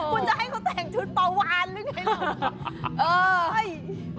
คุณจะให้เขาแต่งชุดปลาวานหรือไงเหรอ